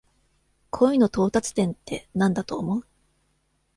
恋の到達点ってなんだと思う？